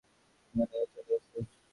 মনে হয় চলে গেছে।